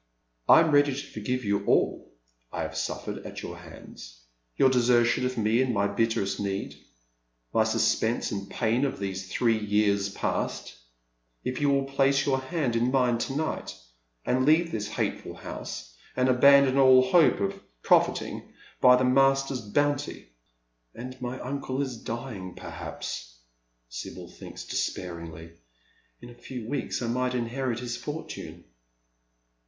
1 am ready to forgive all I have suffered at your hands, — ^^'our desertion of me in my bitterest need, my suspense and pain of these three years past — if you will place your hand in mine to night, and leave this hateful house, and abandon all hope of pro fiting by its master's bounty." " And nxy uncle is dying, perhaps," Sibyl thinks despairingly. " In a few weeks I might inherit his fortune."